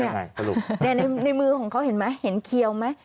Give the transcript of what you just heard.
สรุปในมือของเขาเห็นไหมเห็นเขียวไหม